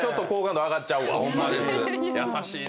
優しいね！